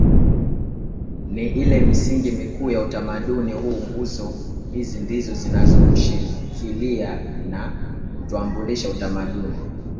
ni ile misingi mikuu ya utamaduni huu Nguzo hizi ndizo zinazoushikilia na kuutambulisha utamaduni